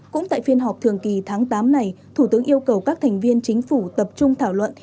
cũng tại phiên họp thường kỳ tháng tám này thủ tướng yêu cầu các thành viên chính phủ tập trung thảo luận